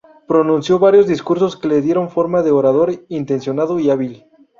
Pronunció varios discursos que le dieron fama de orador intencionado y hábil.